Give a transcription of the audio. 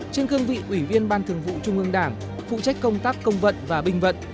trên cương vị ủy viên ban thường vụ trung ương đảng phụ trách công tác công vận và binh vận